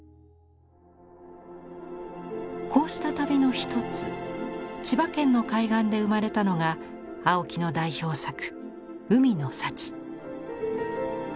こうした旅の一つ千葉県の海岸で生まれたのが青木の代表作